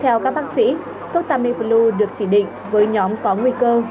theo các bác sĩ thuốc tamiflu được chỉ định với nhóm có nguy cơ